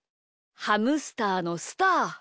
ハムスターのスター。